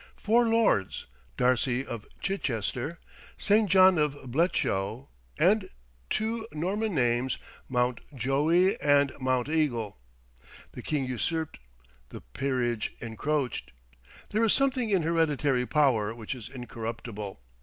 Four lords Darcie, of Chichester; Saint John of Bletsho; and (two Norman names) Mountjoie and Mounteagle. The king usurped. The peerage encroached. There is something in hereditary power which is incorruptible.